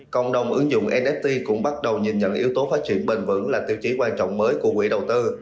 cộng đồng ứng dụng nft cũng bắt đầu nhìn nhận yếu tố phát triển bền vững là tiêu chí quan trọng mới của quỹ đầu tư